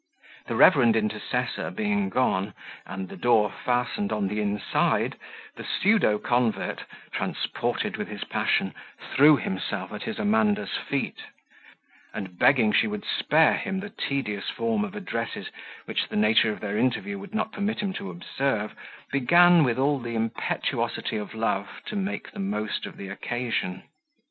The reverend intercessor being gone, and the door fastened on the inside, the pseudo convert, transported with his passion, threw himself at his Amanda's feet; and begging she would spare him the tedious form of addresses, which the nature of their interview would not permit him to observe, began, with all the impetuosity of love, to make the most of the occasion.